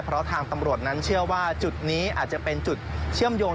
เพราะทางตำรวจนั้นเชื่อว่าจุดนี้อาจจะเป็นจุดเชื่อมโยง